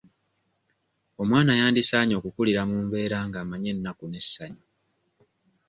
Omwana yandisaanye okukulira mu mbeera ng'amanyi ennaku n'essanyu.